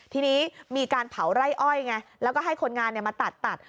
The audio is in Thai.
ทีนี้มีการเผาไร่อ้อยไงแล้วก็ให้คนงานมาตัดตัด